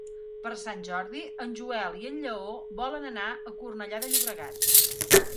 Per Sant Jordi en Joel i en Lleó volen anar a Cornellà de Llobregat.